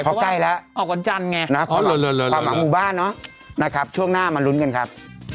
เพราะใกล้แล้วออกวันจันทร์ไงนะความหวังหมู่บ้านเนาะนะครับช่วงหน้ามาลุ้นกันครับ